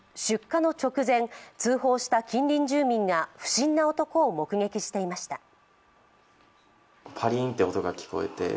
出火の直前、通報した近隣住民が不審な男を目撃していました。